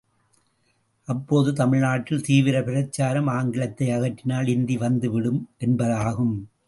அப்போது தமிழ்நாட்டில் தீவிரப் பிரச்சாரம் ஆங்கிலத்தை அகற்றினால் இந்தி வந்துவிடும் என்பதாகும்.